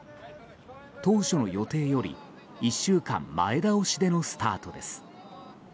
当初の予定より１週間前倒しでのスタートです。